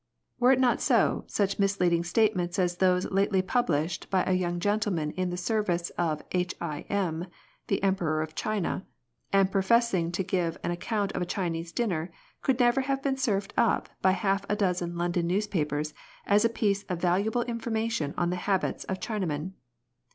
Were it not so, such misleading statements as those lately published by a young gentleman in the ser vice of H.I.M. the Emperor of China, and professing to give an account of a Chinese dinner, could never have been served up by half a dozen London news papers as a piece of valuable information on the habits of Chinamen.